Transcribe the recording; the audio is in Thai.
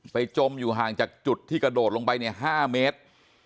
จมอยู่ห่างจากจุดที่กระโดดลงไปเนี่ย๕เมตร